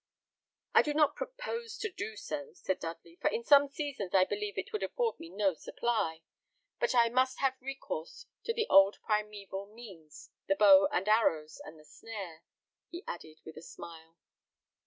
"I do not propose to do so," said Dudley, "for in some seasons I believe it would afford me no supply; but I must have recourse to the old primeval means the bow and arrows, and the snare," he added, with a smile.